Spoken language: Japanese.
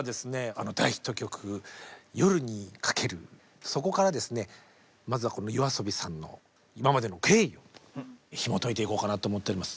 あの大ヒット曲「夜に駆ける」そこからですねまずはこのＹＯＡＳＯＢＩさんの今までの経緯ひもといていこうかなと思っております。